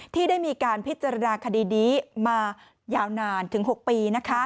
ที่ได้มีการพิจารณาคดีนี้มายาวนานถึง๖ปี